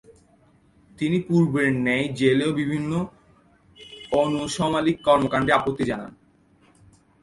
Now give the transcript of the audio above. তিনি পূর্বের ন্যায় জেলেও বিভিন্ন অনৈসলামিক কর্মকাণ্ডে আপত্তি জানান।